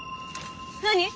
何？